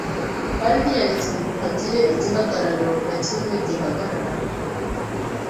Kandi ntiyaretse ngo hagire igihagararo na kimwe gihagarara